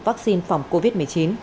vaccine phòng covid một mươi chín